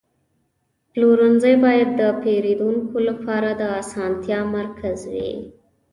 پلورنځی باید د پیرودونکو لپاره د اسانتیا مرکز وي.